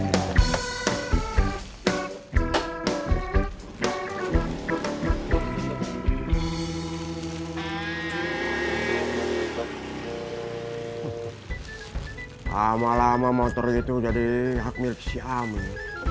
lama lama motor itu jadi hak milik si amin